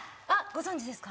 ご存じですか？